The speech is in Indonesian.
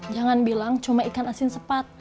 jangan bilang cuma ikan asin sepat